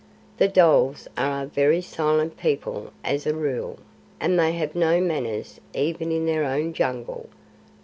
The dholes are a very silent people as a rule, and they have no manners even in their own Jungle.